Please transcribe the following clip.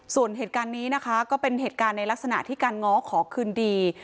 ส่วนเหตุการณ์นี้นะคะก็เป็นเหตุการณ์ในลักษณะที่การง้อขอคืนดี